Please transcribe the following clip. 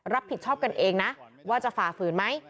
รับผิดชอบกันเองนะว่าจะฝ่าฝืนไหม